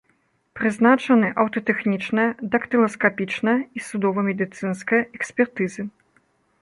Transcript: Прызначаны аўтатэхнічная, дактыласкапічная і судова-медыцынская экспертызы.